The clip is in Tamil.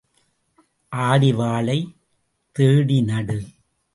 ஆடி வாழை தேடி நடு.